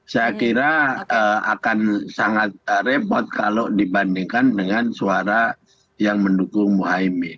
saya kira akan sangat repot kalau dibandingkan dengan suara yang mendukung muhaymin